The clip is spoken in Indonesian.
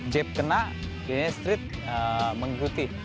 jab kena jadinya straight mengguti